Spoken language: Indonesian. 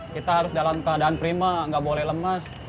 kita harus dalam keadaan prima nggak boleh lemas